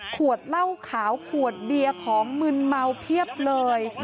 ขวดเหล้าขาวขวดเบียร์ของมึนเมาเพียบเลย